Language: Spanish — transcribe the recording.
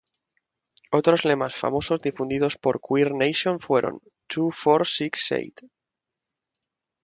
Otros lemas famosos difundidos por "Queer Nation" fueron: ""Two, Four, Six, Eight!